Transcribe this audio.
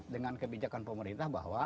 dengan kebijakan pemerintah bahwa